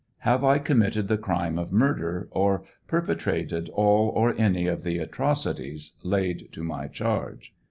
Have I committed the crime of murder or perpetrated all or any of thi atrocities laid to my chaige